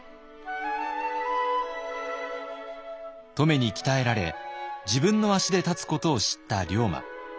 乙女に鍛えられ自分の足で立つことを知った龍馬。